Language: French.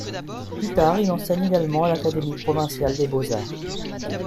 Plus tard, il enseigne également à l'Académie provinciale des Beaux-Arts.